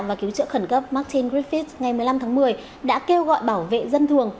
và cứu trợ khẩn cấp martin griffiths ngày một mươi năm tháng một mươi đã kêu gọi bảo vệ dân thường